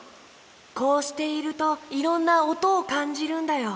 こうしているといろんなおとをかんじるんだよ。